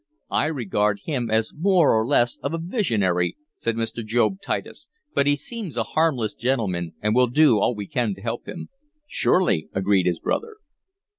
"I regard him as more or less of a visionary," said Mr. Job Titus; "but he seems a harmless gentleman, and we'll do all we can to help him." "Surely," agreed his brother.